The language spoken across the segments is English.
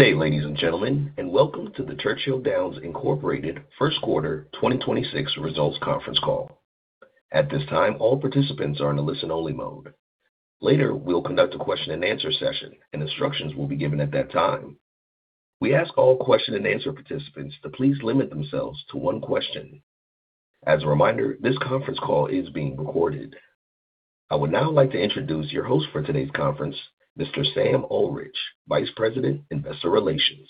Good day, ladies and gentlemen, and welcome to the Churchill Downs Incorporated First Quarter 2026 Results Conference Call. At this time, all participants are in a listen-only mode. Later, we'll conduct a Q&A session, and instructions will be given at that time. We ask all question-and-answer participants to please limit themselves to one question. As a reminder, this conference call is being recorded. I would now like to introduce your host for today's conference, Mr. Sam Ullrich, Vice President, Investor Relations.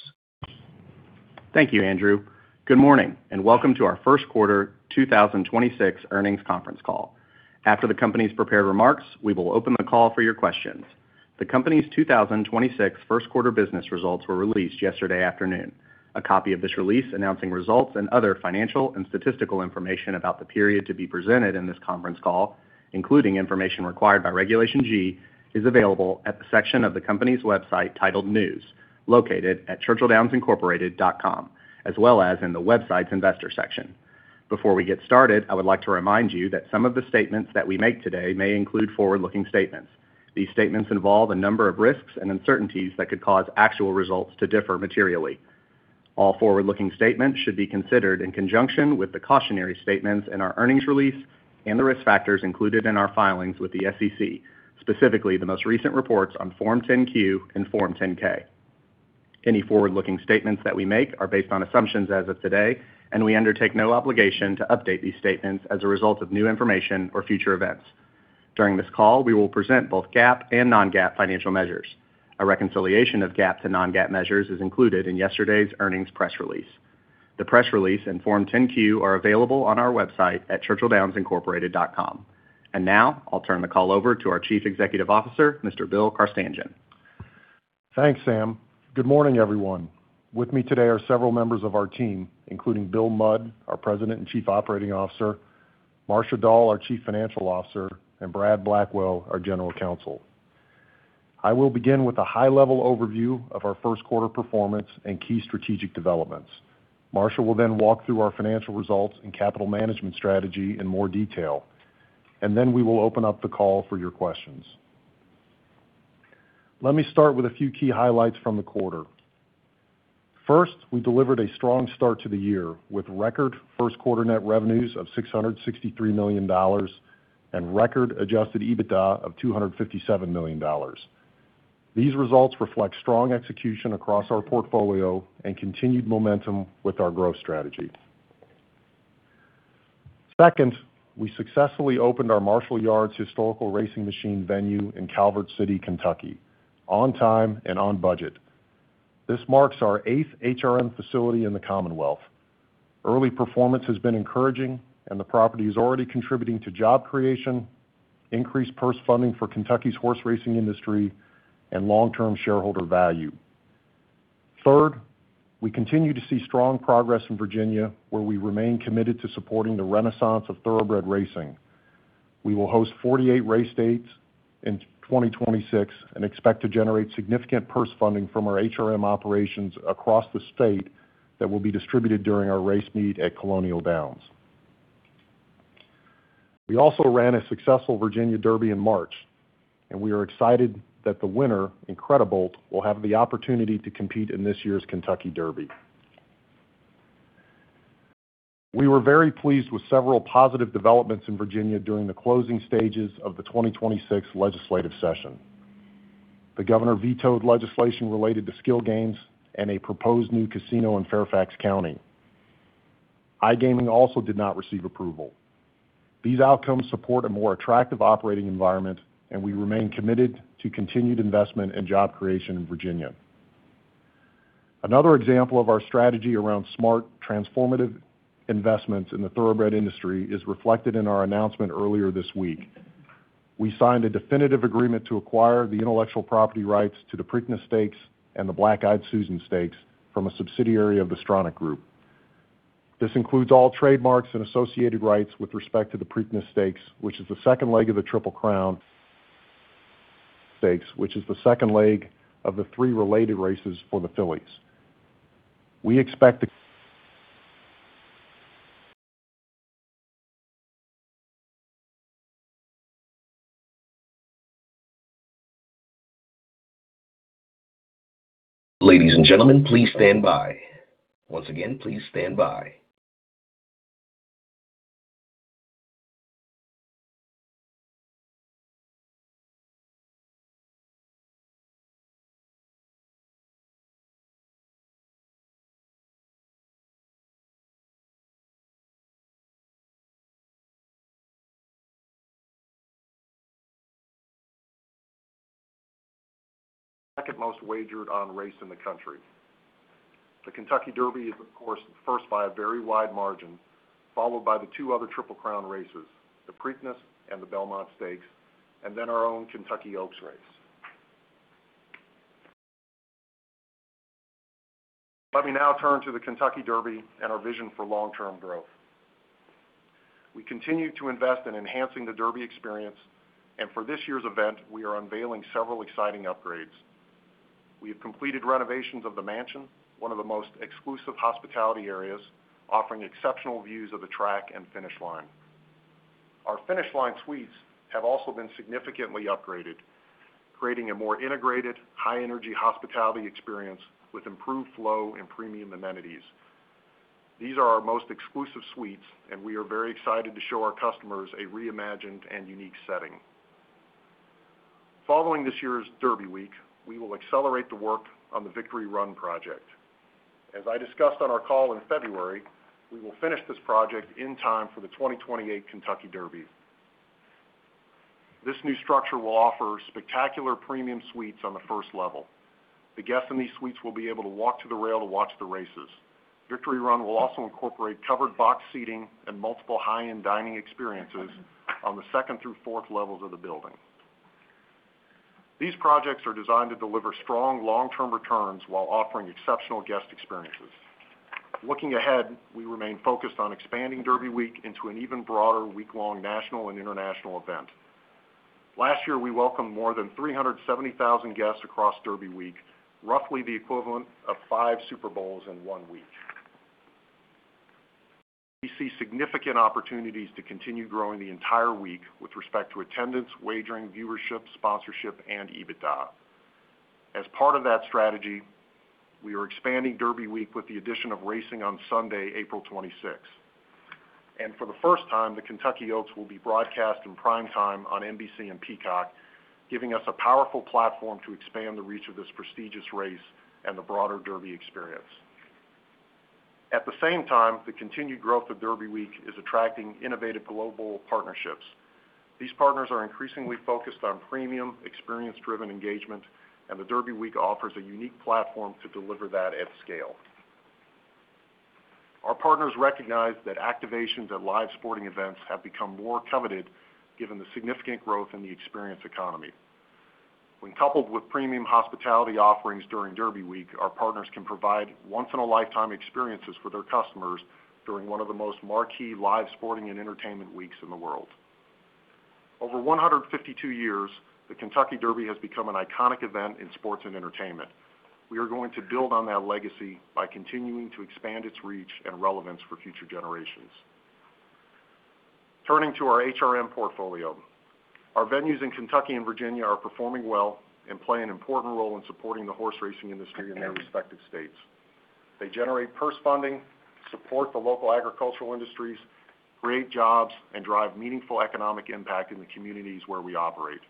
Thank you, Andrew. Good morning and welcome to our first quarter 2026 earnings conference call. After the company's prepared remarks, we will open the call for your questions. The company's 2026 first quarter business results were released yesterday afternoon. A copy of this release announcing results and other financial and statistical information about the period to be presented in this conference call, including information required by Regulation G, is available at the section of the company's website titled News, located at churchilldownsincorporated.com, as well as in the website's investor section. Before we get started, I would like to remind you that some of the statements that we make today may include forward-looking statements. These statements involve a number of risks and uncertainties that could cause actual results to differ materially. All forward-looking statements should be considered in conjunction with the cautionary statements in our earnings release and the risk factors included in our filings with the SEC, specifically the most recent reports on Form 10-Q and Form 10-K. Any forward-looking statements that we make are based on assumptions as of today, and we undertake no obligation to update these statements as a result of new information or future events. During this call, we will present both GAAP and non-GAAP financial measures. A reconciliation of GAAP to non-GAAP measures is included in yesterday's earnings press release. The press release and Form 10-Q are available on our website at churchilldownsincorporated.com. Now I'll turn the call over to our Chief Executive Officer, Mr. Bill Carstanjen. Thanks, Sam. Good morning, everyone. With me today are several members of our team, including Bill Mudd, our President and Chief Operating Officer, Marcia Dall, our Chief Financial Officer, and Brad Blackwell, our General Counsel. I will begin with a high-level overview of our first quarter performance and key strategic developments. Marcia will then walk through our financial results and capital management strategy in more detail, and then we will open up the call for your questions. Let me start with a few key highlights from the quarter. First, we delivered a strong start to the year with record first quarter net revenues of $663 million and record adjusted EBITDA of $257 million. These results reflect strong execution across our portfolio and continued momentum with our growth strategy. Second, we successfully opened our Marshall Yards Historical Racing Machine venue in Calvert City, Kentucky, on time and on budget. This marks our eighth HRM facility in the Commonwealth. Early performance has been encouraging, and the property is already contributing to job creation, increased purse funding for Kentucky's horse racing industry, and long-term shareholder value. Third, we continue to see strong progress in Virginia, where we remain committed to supporting the renaissance of thoroughbred racing. We will host 48 race dates in 2026 and expect to generate significant purse funding from our HRM operations across the state that will be distributed during our race meet at Colonial Downs. We also ran a successful Virginia Derby in March, and we are excited that the winner, Incredibolt, will have the opportunity to compete in this year's Kentucky Derby. We were very pleased with several positive developments in Virginia during the closing stages of the 2026 legislative session. The governor vetoed legislation related to skill games and a proposed new casino in Fairfax County. iGaming also did not receive approval. These outcomes support a more attractive operating environment, and we remain committed to continued investment and job creation in Virginia. Another example of our strategy around smart, transformative investments in the thoroughbred industry is reflected in our announcement earlier this week. We signed a definitive agreement to acquire the intellectual property rights to the Preakness Stakes and the Black-Eyed Susan Stakes from a subsidiary of the Stronach Group. This includes all trademarks and associated rights with respect to the Preakness Stakes, which is the second leg of the Triple Crown, which is the second leg of the three related races for the fillies. We expect to- Ladies and gentlemen, please stand by. Once again, please stand by. Second most wagered-on race in the country. The Kentucky Derby is, of course, first by a very wide margin, followed by the two other Triple Crown races, the Preakness Stakes and the Belmont Stakes, and then our own Kentucky Oaks race. Let me now turn to the Kentucky Derby and our vision for long-term growth. We continue to invest in enhancing the Derby experience, and for this year's event, we are unveiling several exciting upgrades. We have completed renovations of the mansion, one of the most exclusive hospitality areas, offering exceptional views of the track and finish line. Our Finish Line Suites have also been significantly upgraded, creating a more integrated, high-energy hospitality experience with improved flow and premium amenities. These are our most exclusive suites, and we are very excited to show our customers a reimagined and unique setting. Following this year's Derby Week, we will accelerate the work on the Victory Run project. As I discussed on our call in February, we will finish this project in time for the 2028 Kentucky Derby. This new structure will offer spectacular premium suites on the first level. The guests in these suites will be able to walk to the rail to watch the races. Victory Run will also incorporate covered box seating and multiple high-end dining experiences on the second through fourth levels of the building. These projects are designed to deliver strong long-term returns while offering exceptional guest experiences. Looking ahead, we remain focused on expanding Derby Week into an even broader week-long national and international event. Last year, we welcomed more than 370,000 guests across Derby Week, roughly the equivalent of five Super Bowls in one week. We see significant opportunities to continue growing the entire week with respect to attendance, wagering, viewership, sponsorship, and EBITDA. As part of that strategy, we are expanding Derby week with the addition of racing on Sunday, April 26th. For the first time, the Kentucky Oaks will be broadcast in prime time on NBC and Peacock, giving us a powerful platform to expand the reach of this prestigious race and the broader Derby experience. At the same time, the continued growth of Derby week is attracting innovative global partnerships. These partners are increasingly focused on premium experience-driven engagement, and the Derby week offers a unique platform to deliver that at scale. Our partners recognize that activations at live sporting events have become more coveted given the significant growth in the experience economy. When coupled with premium hospitality offerings during Derby week, our partners can provide once-in-a-lifetime experiences for their customers during one of the most marquee live sporting and entertainment weeks in the world. Over 152 years, the Kentucky Derby has become an iconic event in sports and entertainment. We are going to build on that legacy by continuing to expand its reach and relevance for future generations. Turning to our HRM portfolio. Our venues in Kentucky and Virginia are performing well and play an important role in supporting the horse racing industry in their respective states. They generate purse funding, support the local agricultural industries, create jobs, and drive meaningful economic impact in the communities where we operate.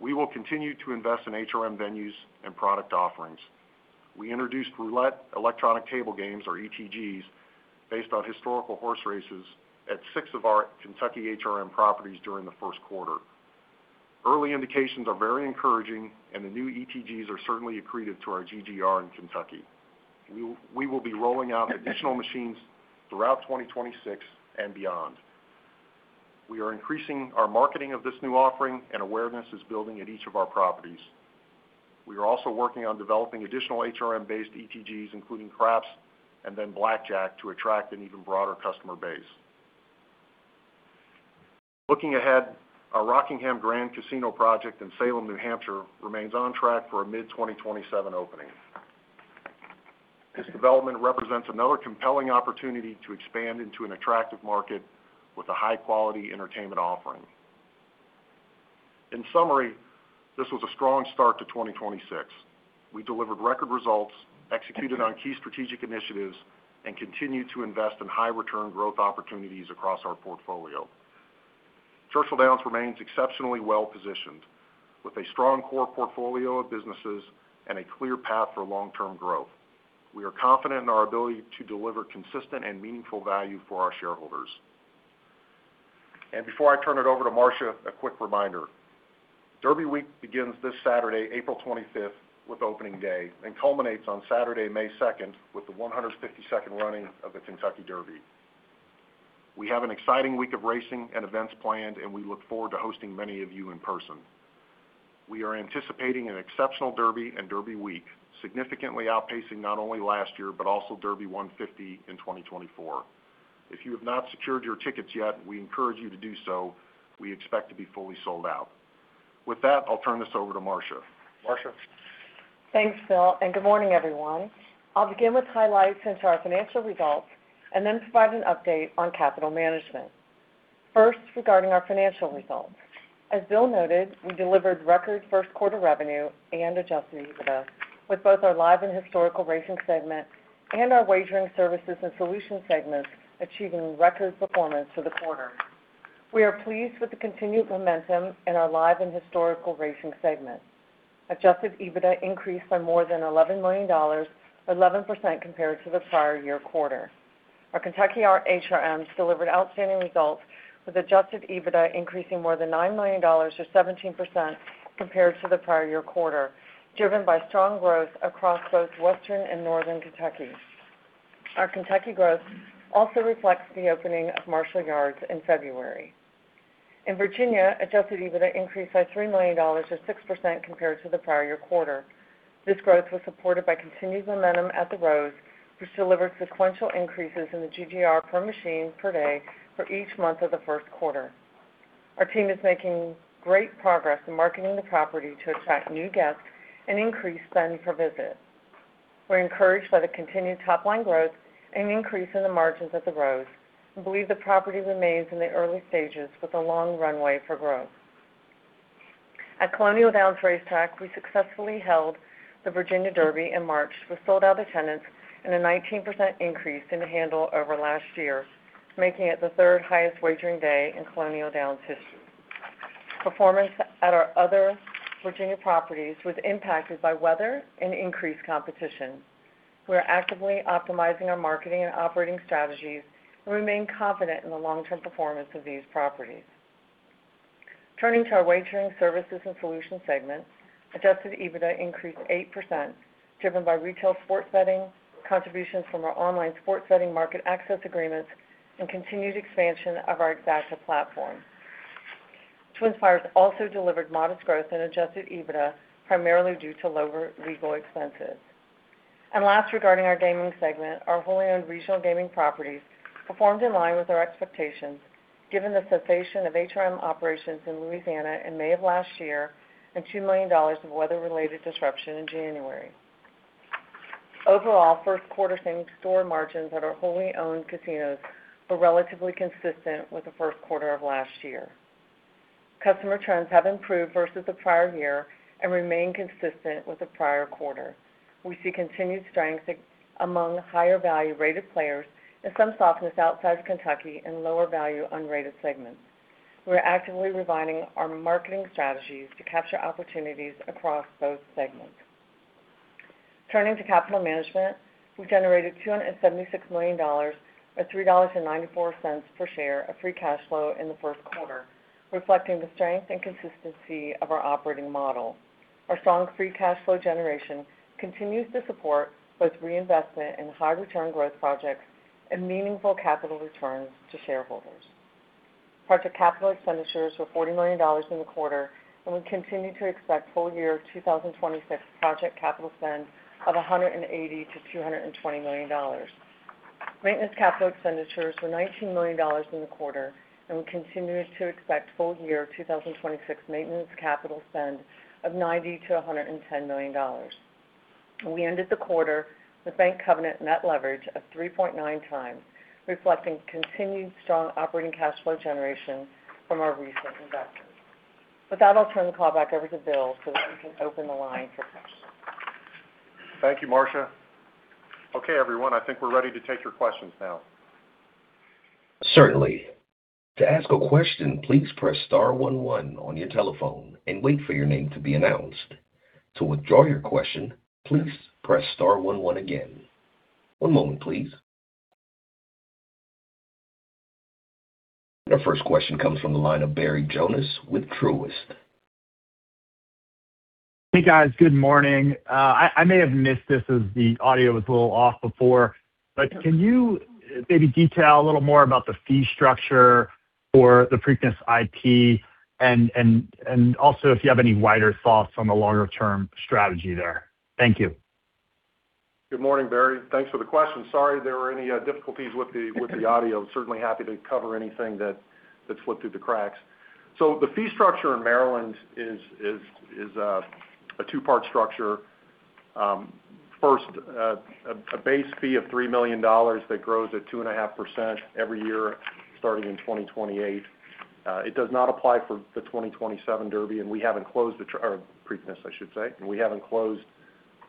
We will continue to invest in HRM venues and product offerings. We introduced roulette electronic table games, or ETGs, based on historical horse races at six of our Kentucky HRMs properties during the first quarter. Early indications are very encouraging, and the new ETGs are certainly accretive to our GGR in Kentucky. We will be rolling out additional machines throughout 2026 and beyond. We are increasing our marketing of this new offering, and awareness is building at each of our properties. We are also working on developing additional HRMs-based ETGs, including craps and then blackjack, to attract an even broader customer base. Looking ahead, our Rockingham Grand Casino project in Salem, New Hampshire, remains on track for a mid-2027 opening. This development represents another compelling opportunity to expand into an attractive market with a high-quality entertainment offering. In summary, this was a strong start to 2026. We delivered record results, executed on key strategic initiatives, and continued to invest in high-return growth opportunities across our portfolio. Churchill Downs remains exceptionally well-positioned, with a strong core portfolio of businesses and a clear path for long-term growth. We are confident in our ability to deliver consistent and meaningful value for our shareholders. Before I turn it over to Marcia, a quick reminder. Derby week begins this Saturday, April 25th, with opening day, and culminates on Saturday, May 2nd, with the 152nd running of the Kentucky Derby. We have an exciting week of racing and events planned, and we look forward to hosting many of you in person. We are anticipating an exceptional Derby and Derby week, significantly outpacing not only last year but also Derby 150 in 2024. If you have not secured your tickets yet, we encourage you to do so. We expect to be fully sold out. With that, I'll turn this over to Marcia. Marcia? Thanks, Bill, and good morning, everyone. I'll begin with highlights into our financial results and then provide an update on capital management. First, regarding our financial results. As Bill noted, we delivered record first quarter revenue and adjusted EBITDA, with both our Live and Historical Racing segment and our Wagering Services and Solutions segment achieving record performance for the quarter. We are pleased with the continued momentum in our Live and Historical Racing segment. Adjusted EBITDA increased by more than $11 million, or 11% compared to the prior year quarter. Our Kentucky HRMs delivered outstanding results, with adjusted EBITDA increasing more than $9 million, or 17%, compared to the prior year quarter, driven by strong growth across both Western and Northern Kentucky. Our Kentucky growth also reflects the opening of Marshall Yards in February. In Virginia, adjusted EBITDA increased by $3 million, or 6%, compared to the prior year quarter. This growth was supported by continued momentum at The Rose, which delivered sequential increases in the GGR per machine per day for each month of the first quarter. Our team is making great progress in marketing the property to attract new guests and increase spend per visit. We're encouraged by the continued top-line growth and increase in the margins at The Rose and believe the property remains in the early stages with a long runway for growth. At Colonial Downs Racetrack, we successfully held the Virginia Derby in March with sold-out attendance and a 19% increase in the handle over last year, making it the third highest wagering day in Colonial Downs history. Performance at our other Virginia properties was impacted by weather and increased competition. We are actively optimizing our marketing and operating strategies and remain confident in the long-term performance of these properties. Turning to our Wagering Services and Solutions segment, adjusted EBITDA increased 8%, driven by retail sports betting, contributions from our online sports betting market access agreements, and continued expansion of our Exacta platform. TwinSpires also delivered modest growth in adjusted EBITDA, primarily due to lower legal expenses. Last, regarding our gaming segment, our wholly owned regional gaming properties performed in line with our expectations, given the cessation of HRM operations in Louisiana in May of last year and $2 million of weather-related disruption in January. Overall, first quarter same-store margins at our wholly owned casinos were relatively consistent with the first quarter of last year. Customer trends have improved versus the prior year and remain consistent with the prior quarter. We see continued strength among higher value-rated players and some softness outside Kentucky in lower value unrated segments. We are actively refining our marketing strategies to capture opportunities across both segments. Turning to capital management, we generated $276 million, or $3.94 per share of free cash flow in the first quarter, reflecting the strength and consistency of our operating model. Our strong free cash flow generation continues to support both reinvestment in high return growth projects and meaningful capital returns to shareholders. Project capital expenditures were $40 million in the quarter, and we continue to expect full year 2026 project capital spend of $180 million-$220 million. Maintenance capital expenditures were $19 million in the quarter, and we continue to expect full year 2026 maintenance capital spend of $90 million-$110 million. We ended the quarter with bank covenant net leverage of 3.9 times, reflecting continued strong operating cash flow generation from our recent investments. With that, I'll turn the call back over to Bill so that we can open the line for questions. Thank you, Marcia. Okay, everyone, I think we're ready to take your questions now. Certainly. To ask a question, please press *11 on your telephone and wait for your name to be announced. To withdraw your question, please press *11. One moment, please. Your first question comes from the line of Barry Jonas with Truist. Hey, guys. Good morning. I may have missed this as the audio was a little off before, but can you maybe detail a little more about the fee structure for the Preakness IP and also if you have any wider thoughts on the longer-term strategy there? Thank you. Good morning, Barry. Thanks for the question. Sorry if there were any difficulties with the audio. Certainly happy to cover anything that slipped through the cracks. The fee structure in Maryland is a two-part structure. First, a base fee of $3 million that grows at 2.5% every year starting in 2028. It does not apply for the 2027 Derby or Preakness, I should say, and we haven't closed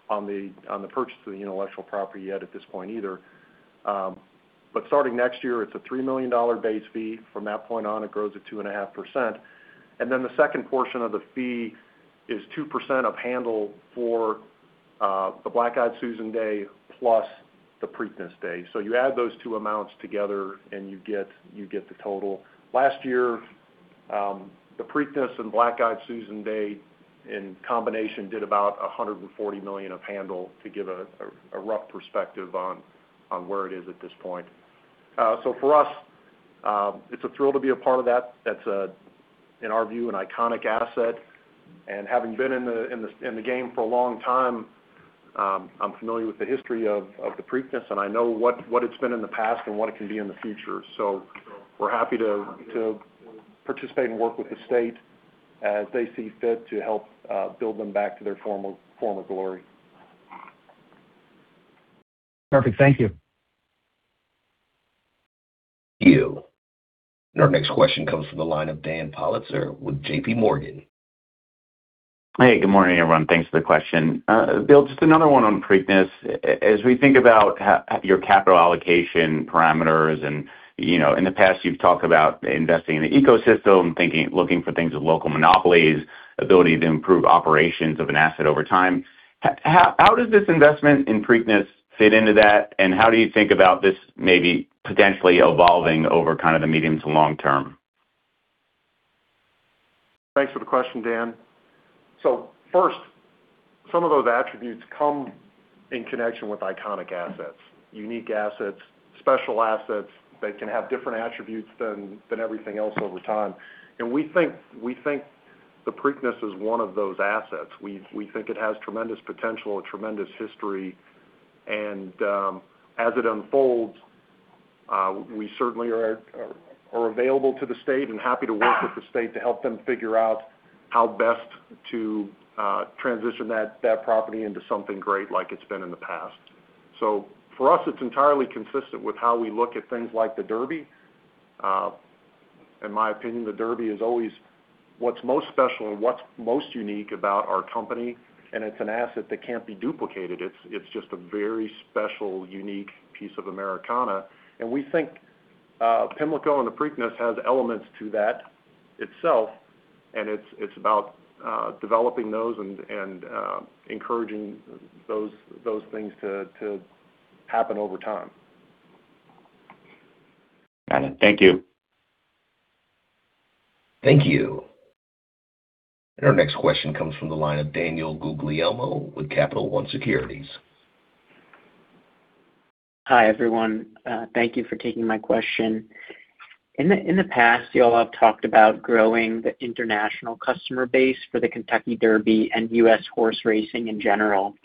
on the purchase of the intellectual property yet at this point either. Starting next year, it's a $3 million base fee. From that point on, it grows at 2.5%. Then the second portion of the fee is 2% of handle for the Black-Eyed Susan Day plus the Preakness Day. You add those two amounts together, and you get the total. Last year, the Preakness and Black-Eyed Susan Day in combination did about $140 million of handle to give a rough perspective on where it is at this point. For us, it's a thrill to be a part of that. That's, in our view, an iconic asset. Having been in the game for a long time, I'm familiar with the history of the Preakness, and I know what it's been in the past and what it can be in the future. We're happy to participate and work with the state as they see fit to help build them back to their former glory. Perfect. Thank you. Thank you. Our next question comes from the line of Daniel Politzer with JPMorgan. Hey, good morning, everyone. Thanks for the question. Bill, just another one on Preakness. As we think about your capital allocation parameters and in the past, you've talked about investing in the ecosystem, looking for things with local monopolies, ability to improve operations of an asset over time. How does this investment in Preakness fit into that, and how do you think about this maybe potentially evolving over kind of the medium to long term? Thanks for the question, Dan. First, some of those attributes come in connection with iconic assets, unique assets, special assets that can have different attributes than everything else over time. We think the Preakness is one of those assets. We think it has tremendous potential and tremendous history, and as it unfolds, we certainly are available to the state and happy to work with the state to help them figure out how best to transition that property into something great like it's been in the past. For us, it's entirely consistent with how we look at things like the Derby. In my opinion, the Derby is always what's most special and what's most unique about our company, and it's an asset that can't be duplicated. It's just a very special, unique piece of Americana, and we think Pimlico and the Preakness has elements of that itself, and it's about developing those and encouraging those things to happen over time. Got it. Thank you. Our next question comes from the line of Daniel Guglielmo with Capital One Securities. Hi, everyone. Thank you for taking my question. In the past, you all have talked about growing the international customer base for the Kentucky Derby and U.S. horse racing in general.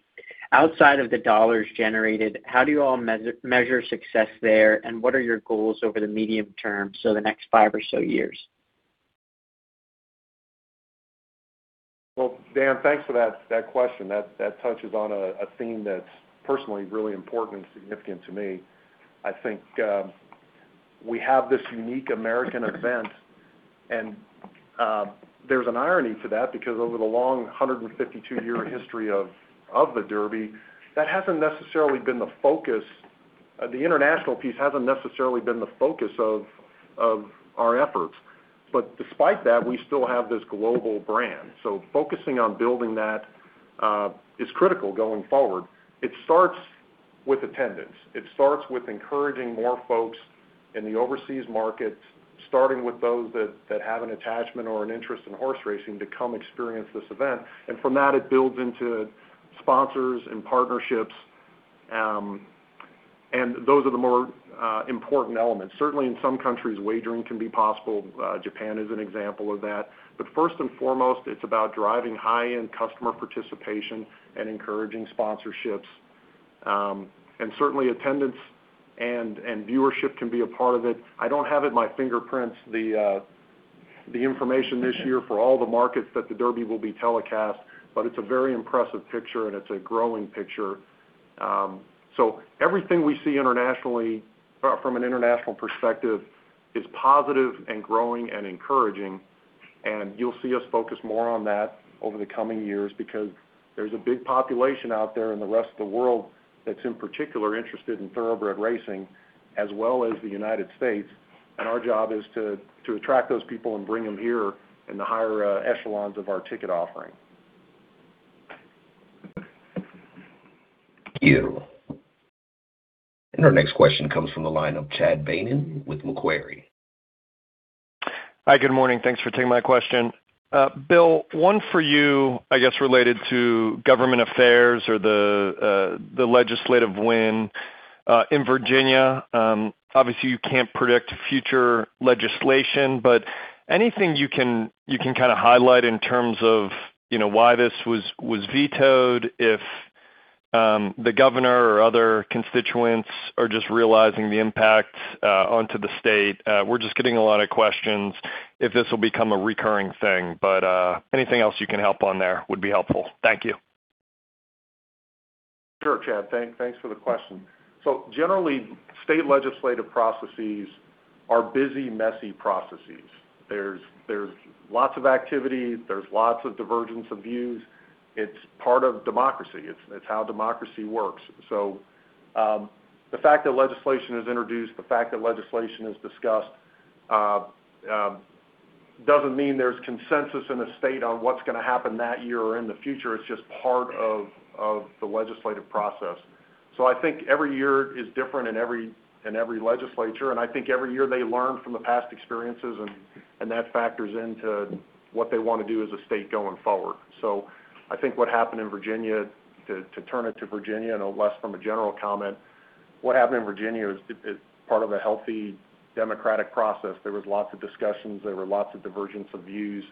Outside of the dollars generated, how do you all measure success there, and what are your goals over the medium term, so the next 5 or so years? Well, Dan, thanks for that question. That touches on a theme that's personally really important and significant to me. I think we have this unique American event, and there's an irony to that, because over the long 152-year history of the Derby, the international piece hasn't necessarily been the focus of our efforts. Despite that, we still have this global brand. Focusing on building that is critical going forward. It starts with attendance. It starts with encouraging more folks in the overseas markets, starting with those that have an attachment or an interest in horse racing, to come experience this event. From that, it builds into sponsors and partnerships, and those are the more important elements. Certainly, in some countries, wagering can be possible. Japan is an example of that. First and foremost, it's about driving high-end customer participation and encouraging sponsorships. Certainly, attendance and viewership can be a part of it. I don't have it in my fingerprints, the information this year for all the markets that the Derby will be telecast, but it's a very impressive picture, and it's a growing picture. Everything we see from an international perspective is positive and growing and encouraging, and you'll see us focus more on that over the coming years because there's a big population out there in the rest of the world that's in particular interested in thoroughbred racing as well as the United States. Our job is to attract those people and bring them here in the higher echelons of our ticket offering. Thank you. Our next question comes from the line of Chad Beynon with Macquarie. Hi, good morning. Thanks for taking my question. Bill, one for you, I guess, related to government affairs or the legislative win in Virginia. Obviously, you can't predict future legislation, but anything you can kind of highlight in terms of why this was vetoed, if the governor or other constituents are just realizing the impact onto the state? We're just getting a lot of questions if this will become a recurring thing. Anything else you can help on there would be helpful. Thank you. Sure, Chad, thanks for the question. Generally, state legislative processes are busy, messy processes. There's lots of activity. There's lots of divergence of views. It's part of democracy. It's how democracy works. The fact that legislation is introduced, the fact that legislation is discussed, doesn't mean there's consensus in the state on what's going to happen that year or in the future. It's just part of the legislative process. I think every year is different in every legislature, and I think every year they learn from the past experiences, and that factors into what they want to do as a state going forward. I think what happened in Virginia, to turn it to Virginia, and less from a general comment, what happened in Virginia is part of a healthy democratic process. There was lots of discussions, there were lots of divergence of views,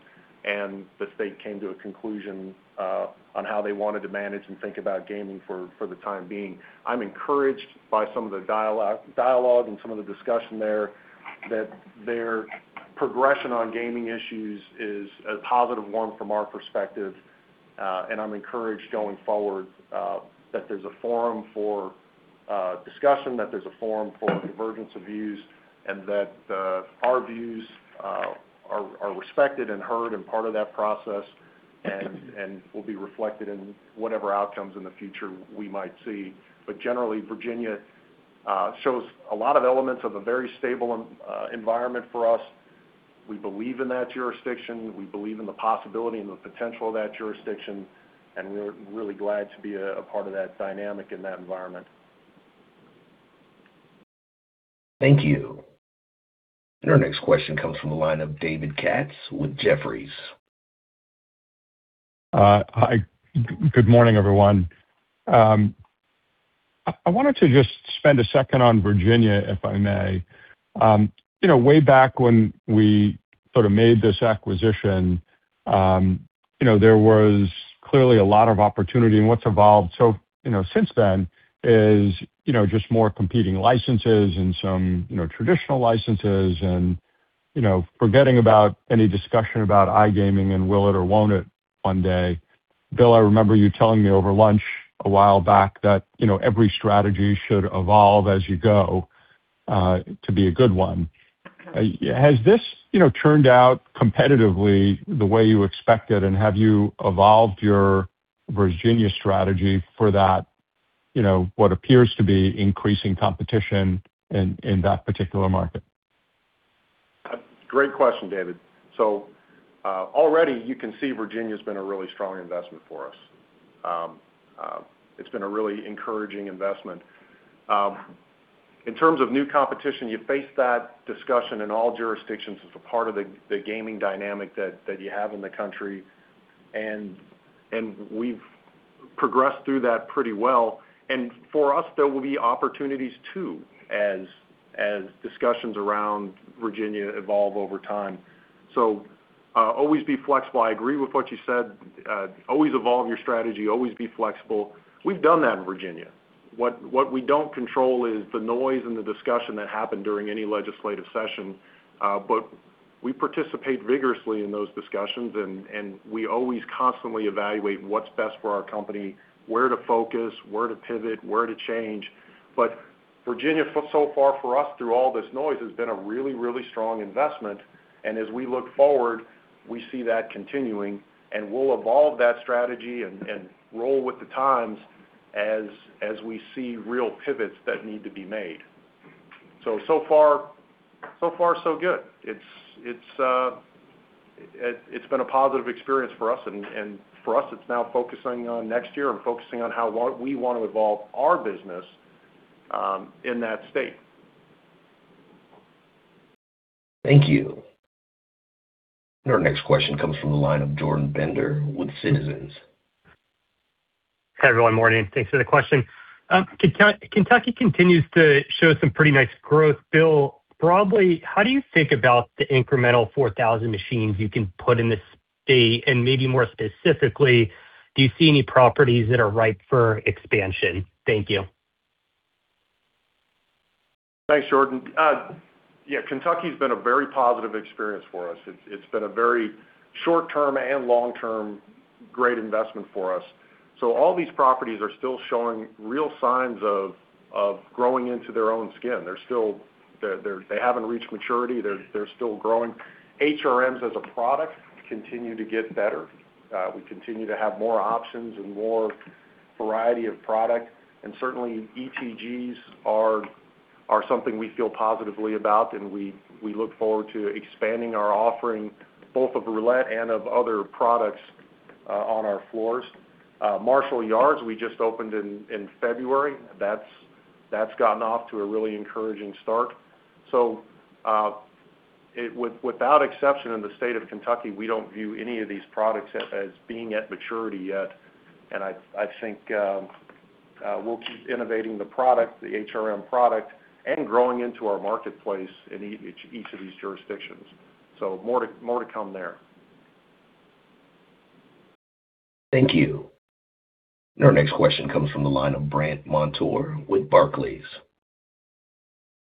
and the state came to a conclusion on how they wanted to manage and think about gaming for the time being. I'm encouraged by some of the dialogue and some of the discussion there, that their progression on gaming issues is a positive one from our perspective. I'm encouraged going forward that there's a forum for discussion, that there's a forum for convergence of views, and that our views are respected and heard and part of that process, and will be reflected in whatever outcomes in the future we might see. Generally, Virginia shows a lot of elements of a very stable environment for us. We believe in that jurisdiction. We believe in the possibility and the potential of that jurisdiction, and we're really glad to be a part of that dynamic in that environment. Thank you. Our next question comes from the line of David Katz with Jefferies. Hi, good morning, everyone. I wanted to just spend a second on Virginia, if I may. Way back when we made this acquisition, there was clearly a lot of opportunity. What's evolved so since then is, just more competing licenses and some traditional licenses and, forgetting about any discussion about iGaming and will it or won't it one day. Bill, I remember you telling me over lunch a while back that, every strategy should evolve as you go, to be a good one. Has this turned out competitively the way you expected, and have you evolved your Virginia strategy for that, what appears to be increasing competition in that particular market? Great question, David. Already you can see Virginia's been a really strong investment for us. It's been a really encouraging investment. In terms of new competition, you face that discussion in all jurisdictions as a part of the gaming dynamic that you have in the country. We've progressed through that pretty well. For us, there will be opportunities, too, as discussions around Virginia evolve over time. Always be flexible. I agree with what you said, always evolve your strategy, always be flexible. We've done that in Virginia. What we don't control is the noise and the discussion that happened during any legislative session. We participate vigorously in those discussions, and we always constantly evaluate what's best for our company, where to focus, where to pivot, where to change. Virginia, so far, for us, through all this noise, has been a really, really strong investment, and as we look forward, we see that continuing, and we'll evolve that strategy and roll with the times as we see real pivots that need to be made. so far so good. It's been a positive experience for us, and for us, it's now focusing on next year and focusing on how we want to evolve our business in that state. Thank you. Our next question comes from the line of Jordan Bender with Citizens. Hi, everyone. Morning. Thanks for the question. Kentucky continues to show some pretty nice growth. Bill, broadly, how do you think about the incremental 4,000 machines you can put in the state? Maybe more specifically, do you see any properties that are ripe for expansion? Thank you. Thanks, Jordan. Yeah, Kentucky's been a very positive experience for us. It's been a very short-term and long-term great investment for us. All these properties are still showing real signs of growing into their own skin. They haven't reached maturity. They're still growing. HRMs as a product continue to get better. We continue to have more options and more variety of product. Certainly, ETGs are something we feel positively about, and we look forward to expanding our offering both of roulette and of other products on our floors. Marshall Yards, we just opened in February. That's gotten off to a really encouraging start. Without exception in the state of Kentucky, we don't view any of these products as being at maturity yet. I think we'll keep innovating the product, the HRM product, and growing into our marketplace in each of these jurisdictions. More to come there. Thank you. Our next question comes from the line of Brandt Montour with Barclays.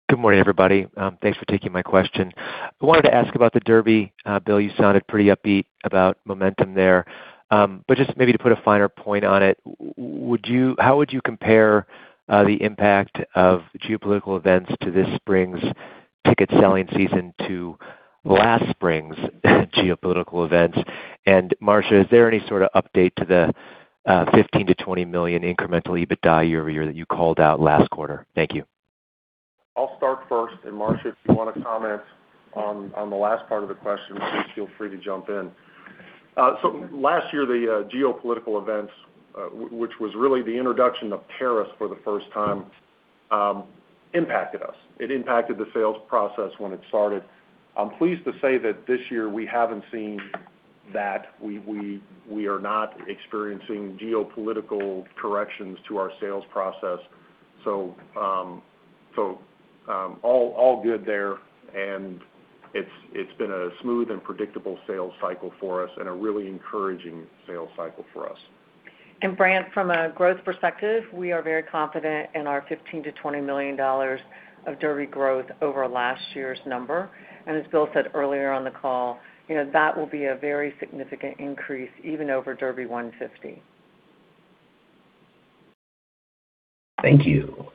Good morning, everybody. Thanks for taking my question. I wanted to ask about the Derby. Bill, you sounded pretty upbeat about momentum there. Just maybe to put a finer point on it, how would you compare the impact of geopolitical events to this spring's ticket selling season to last spring's geopolitical events? Marcia, is there any sort of update to the $15 million-$20 million incremental EBITDA year-over-year that you called out last quarter? Thank you. I'll start first, and Marcia, if you want to comment on the last part of the question, please feel free to jump in. Last year, the geopolitical events, which was really the introduction of tariffs for the first time, impacted us. It impacted the sales process when it started. I'm pleased to say that this year we haven't seen that. We are not experiencing geopolitical corrections to our sales process. All good there, and it's been a smooth and predictable sales cycle for us and a really encouraging sales cycle for us. Brandt, from a growth perspective, we are very confident in our $15 million-$20 million of Derby growth over last year's number. As Bill said earlier on the call, that will be a very significant increase even over Derby 150. Thank you.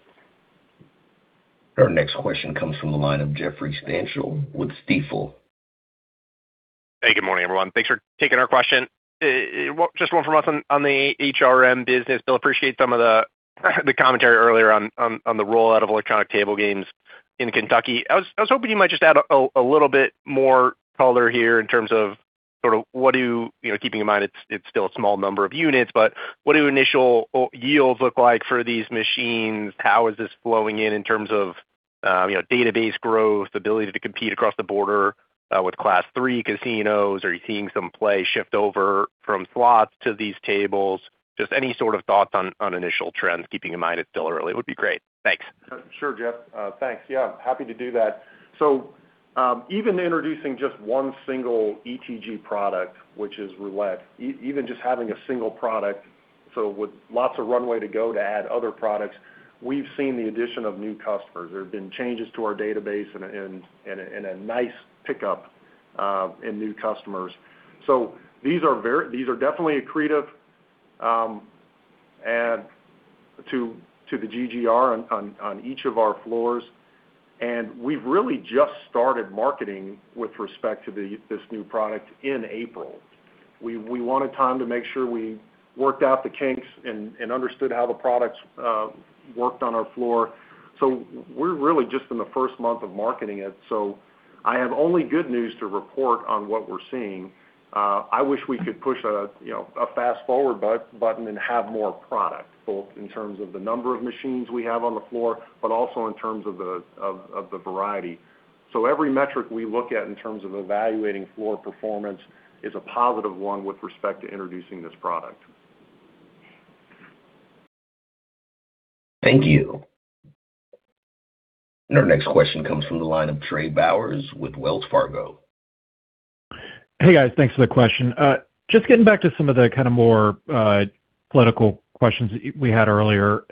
Our next question comes from the line of Jeffrey Stantial with Stifel. Hey, good morning, everyone. Thanks for taking our question. Just one for us on the HRM business. Bill, appreciate some of the commentary earlier on the rollout of electronic table games in Kentucky. I was hoping you might just add a little bit more color here in terms of sort of keeping in mind it's still a small number of units, but what do initial yields look like for these machines? How is this flowing in terms of- Database growth, ability to compete across the border with Class III casinos. Are you seeing some play shift over from slots to these tables? Just any sort of thoughts on initial trends, keeping in mind it's still early, would be great. Thanks. Sure, Jeff. Thanks. Yeah, happy to do that. Even introducing just one single ETGs product, which is roulette, even just having a single product, so with lots of runway to go to add other products, we've seen the addition of new customers. There have been changes to our database and a nice pickup in new customers. These are definitely accretive add to the GGR on each of our floors, and we've really just started marketing with respect to this new product in April. We wanted time to make sure we worked out the kinks and understood how the products worked on our floor. We're really just in the 1 month of marketing it, so I have only good news to report on what we're seeing. I wish we could push a fast forward button and have more product, both in terms of the number of machines we have on the floor, but also in terms of the variety. Every metric we look at in terms of evaluating floor performance is a positive one with respect to introducing this product. Thank you. Our next question comes from the line of Trey Bowers with Wells Fargo. Hey, guys. Thanks for the question. Just getting back to some of the more political questions we had earlier.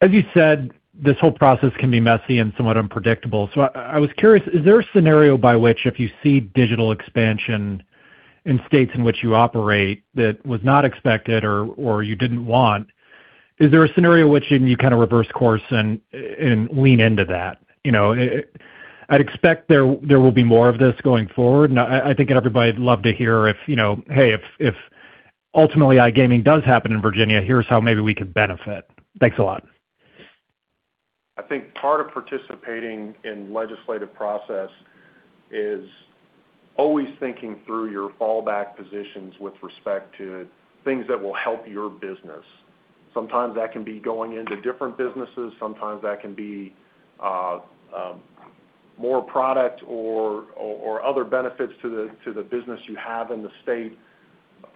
As you said, this whole process can be messy and somewhat unpredictable. I was curious, is there a scenario by which if you see digital expansion in states in which you operate that was not expected or you didn't want, is there a scenario in which then you kind of reverse course and lean into that? I'd expect there will be more of this going forward, and I think everybody would love to hear if, hey, if ultimately iGaming does happen in Virginia, here's how maybe we could benefit. Thanks a lot. I think part of participating in legislative process is always thinking through your fallback positions with respect to things that will help your business. Sometimes that can be going into different businesses, sometimes that can be more product or other benefits to the business you have in the state.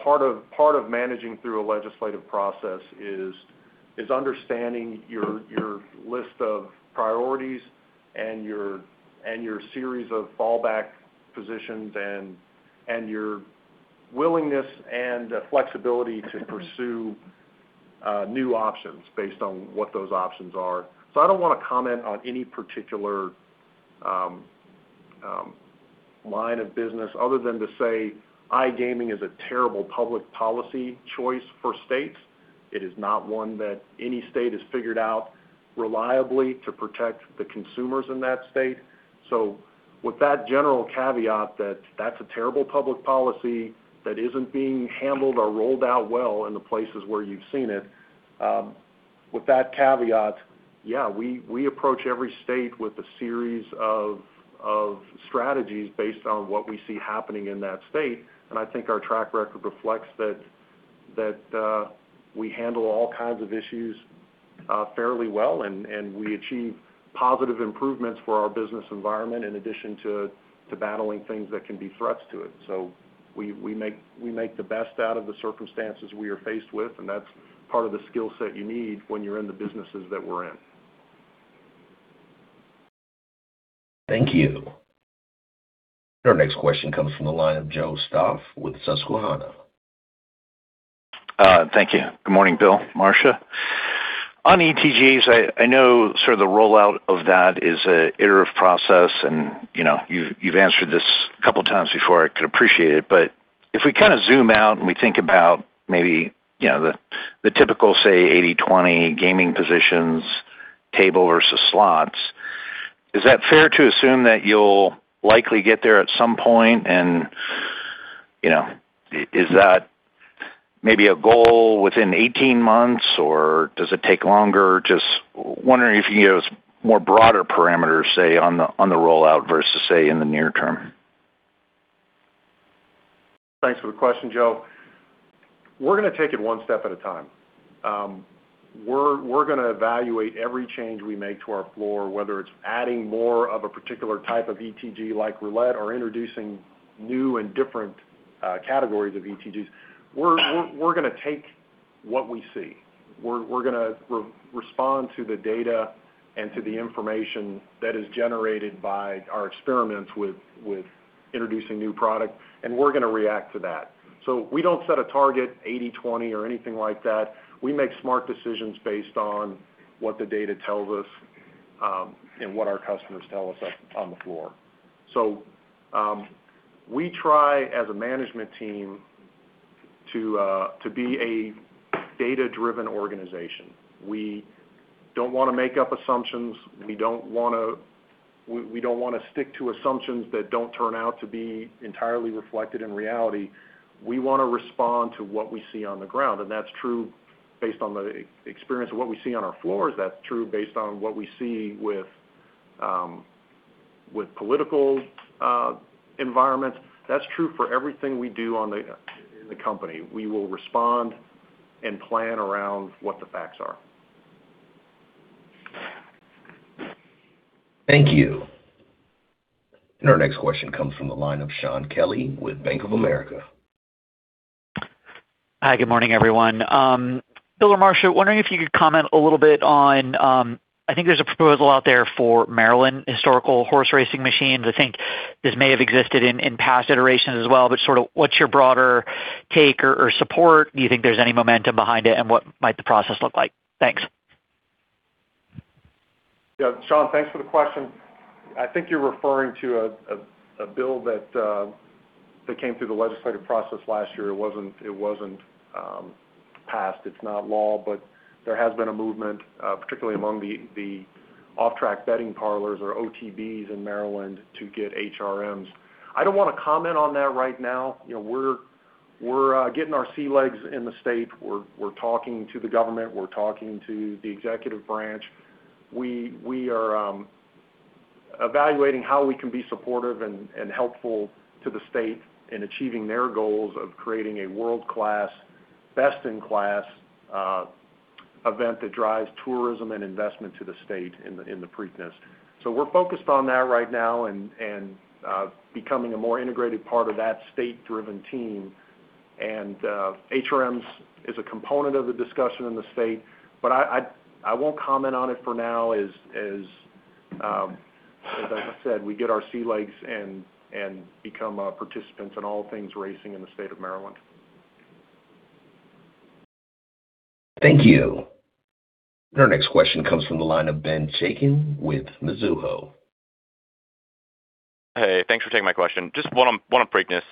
Part of managing through a legislative process is understanding your list of priorities and your series of fallback positions and your willingness and flexibility to pursue new options based on what those options are. I don't want to comment on any particular line of business other than to say iGaming is a terrible public policy choice for states. It is not one that any state has figured out reliably to protect the consumers in that state. With that general caveat that that's a terrible public policy that isn't being handled or rolled out well in the places where you've seen it. With that caveat, yeah, we approach every state with a series of strategies based on what we see happening in that state. I think our track record reflects that we handle all kinds of issues fairly well and we achieve positive improvements for our business environment in addition to battling things that can be threats to it. We make the best out of the circumstances we are faced with, and that's part of the skill set you need when you're in the businesses that we're in. Thank you. Our next question comes from the line of Joseph Stauff with Susquehanna. Thank you. Good morning, Bill, Marcia. On ETGs, I know the rollout of that is an iterative process, and you've answered this a couple of times before, I could appreciate it. If we zoom out and we think about maybe the typical, say, 80/20 gaming positions, table versus slots, is that fair to assume that you'll likely get there at some point? And is that maybe a goal within 18 months or does it take longer? Just wondering if you can give us more broader parameters, say, on the rollout versus, say, in the near term. Thanks for the question, Joe. We're going to take it one step at a time. We're going to evaluate every change we make to our floor, whether it's adding more of a particular type of ETG like roulette or introducing new and different categories of ETGs. We're going to take what we see. We're going to respond to the data and to the information that is generated by our experiments with introducing new product, and we're going to react to that. We don't set a target 80/20 or anything like that. We make smart decisions based on what the data tells us and what our customers tell us on the floor. We try, as a management team, to be a data-driven organization. We don't want to make up assumptions. We don't want to stick to assumptions that don't turn out to be entirely reflected in reality. We want to respond to what we see on the ground, and that's true based on the experience of what we see on our floors. That's true based on what we see with political environments, that's true for everything we do in the company. We will respond and plan around what the facts are. Thank you. Our next question comes from the line of Shaun Kelley with Bank of America. Hi, good morning, everyone. Bill or Marcia, wondering if you could comment a little bit on, I think there's a proposal out there for Maryland Historical Racing Machines. I think this may have existed in past iterations as well, but sort of what's your broader take or support? Do you think there's any momentum behind it? What might the process look like? Thanks. Yeah, Shaun, thanks for the question. I think you're referring to a bill that came through the legislative process last year. It wasn't passed. It's not law, but there has been a movement, particularly among the off-track betting parlors or OTBs in Maryland to get HRMs. I don't want to comment on that right now. We're getting our sea legs in the state. We're talking to the government. We're talking to the executive branch. We are evaluating how we can be supportive and helpful to the state in achieving their goals of creating a world-class, best-in-class event that drives tourism and investment to the state in the Preakness. We're focused on that right now and becoming a more integrated part of that state-driven team, and HRMs is a component of the discussion in the state, but I won't comment on it for now, as I said, we get our sea legs and become participants in all things racing in the state of Maryland. Thank you. Our next question comes from the line of Ben Chaiken with Mizuho. Hey, thanks for taking my question. Just one on Preakness.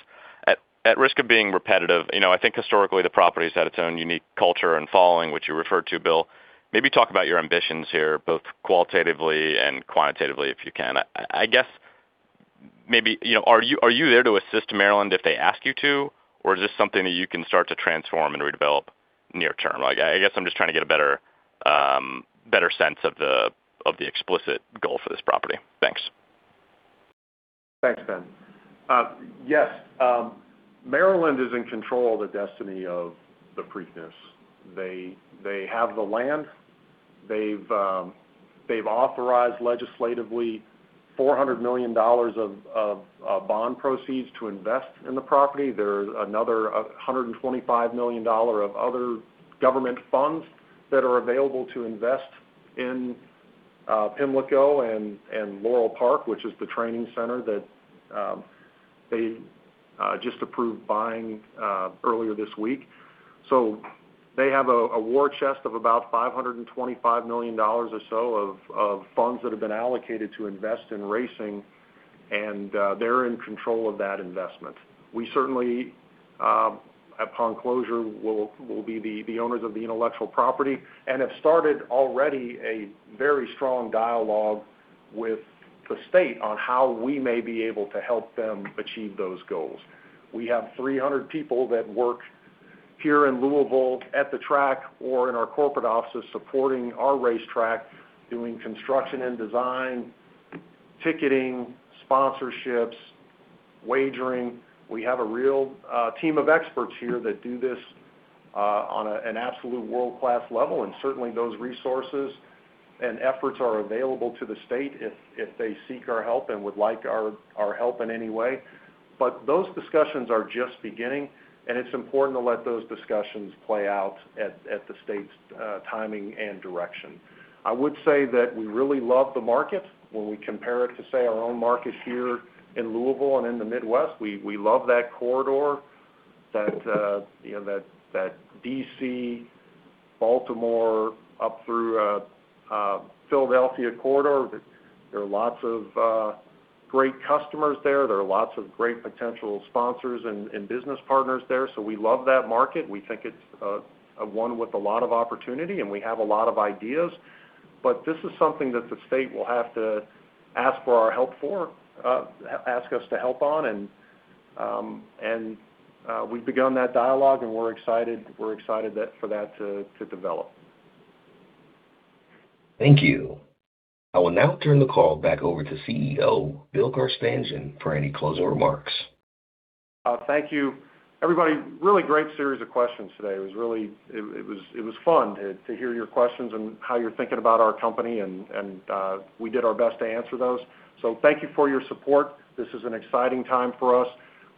At risk of being repetitive, I think historically the property's had its own unique culture and following, which you referred to, Bill. Maybe talk about your ambitions here, both qualitatively and quantitatively, if you can. I guess maybe, are you there to assist Maryland if they ask you to? Or is this something that you can start to transform and redevelop near term? I guess I'm just trying to get a better sense of the explicit goal for this property. Thanks. Thanks, Ben. Yes, Maryland is in control of the destiny of the Preakness. They have the land. They've authorized legislatively $400 million of bond proceeds to invest in the property. There's another $125 million of other government funds that are available to invest in Pimlico and Laurel Park, which is the training center that they just approved buying earlier this week. They have a war chest of about $525 million or so of funds that have been allocated to invest in racing, and they're in control of that investment. We certainly upon closure will be the owners of the intellectual property and have started already a very strong dialogue with the state on how we may be able to help them achieve those goals. We have 300 people that work here in Louisville at the track or in our corporate offices supporting our racetrack, doing construction and design, ticketing, sponsorships, wagering. We have a real team of experts here that do this on an absolute world-class level, and certainly those resources and efforts are available to the state if they seek our help and would like our help in any way. But those discussions are just beginning, and it's important to let those discussions play out at the state's timing and direction. I would say that we really love the market. When we compare it to, say, our own market here in Louisville and in the Midwest, we love that corridor, that D.C., Baltimore, up through Philadelphia corridor. There are lots of great customers there. There are lots of great potential sponsors and business partners there. We love that market. We think it's one with a lot of opportunity, and we have a lot of ideas, but this is something that the state will have to ask for our help for, ask us to help on, and we've begun that dialogue, and we're excited for that to develop. Thank you. I will now turn the call back over to CEO, Bill Carstanjen, for any closing remarks. Thank you. Everybody, really great series of questions today. It was fun to hear your questions and how you're thinking about our company, and we did our best to answer those. Thank you for your support. This is an exciting time for us.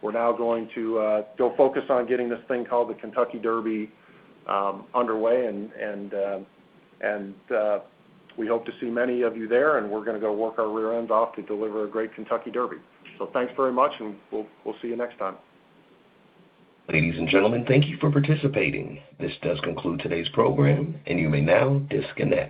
We're now going to go focus on getting this thing called the Kentucky Derby underway, and we hope to see many of you there, and we're going to go work our rear ends off to deliver a great Kentucky Derby. Thanks very much, and we'll see you next time. Ladies and gentlemen, thank you for participating. This does conclude today's program, and you may now disconnect.